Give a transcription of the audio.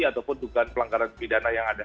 ataupun dugaan pelanggaran pidana yang ada